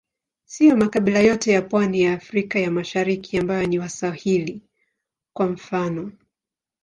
Siyo makabila yote ya pwani ya Afrika ya Mashariki ambao ni Waswahili, kwa mfano.